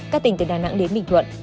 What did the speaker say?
các tỉnh từ đà nẵng đến bình thuận